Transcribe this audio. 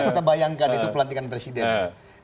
kita bayangkan itu pelantikan presiden